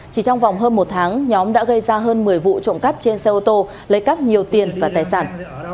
chỉ trong vòng hơn một tháng nhóm đã gây ra hơn một mươi vụ trộm cắp trên xe ô tô lấy cắp nhiều tiền và tài sản